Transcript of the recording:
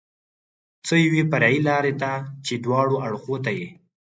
څو یوې فرعي لارې ته چې دواړو اړخو ته یې.